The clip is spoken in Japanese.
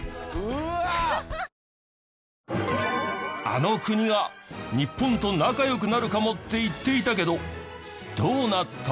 あの国が日本と仲良くなるかもって言っていたけどどうなった？